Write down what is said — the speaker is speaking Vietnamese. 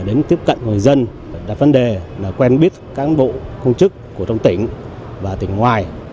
đến tiếp cận người dân đặt vấn đề là quen biết cán bộ công chức của trong tỉnh và tỉnh ngoài